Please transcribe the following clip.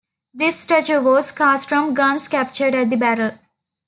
This statue was cast from guns captured at the battle.